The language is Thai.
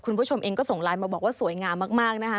คุณผู้ชมเองก็ส่งไลน์มาบอกว่าสวยงามมากนะคะ